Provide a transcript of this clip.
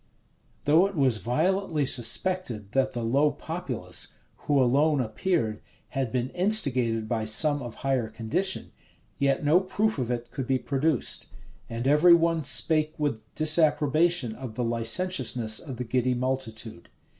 [*] Though it was violently suspected that the low populace, who alone appeared, had been instigated by some of higher condition, yet no proof of it could be produced; and every one spake with disapprobation of the licentiousness of the giddy multitude.